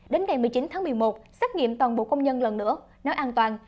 đến ngày một mươi chín tháng một mươi một xét nghiệm toàn bộ công nhân lần nữa nó an toàn